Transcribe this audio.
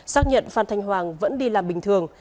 xác nhận phan thanh hoàng vẫn đi làm bình thường